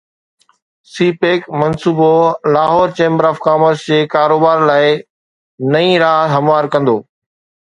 سي pack منصوبو Lahore chamber of commerce جي ڪاروبار لاءِ نئين راهه هموار ڪندو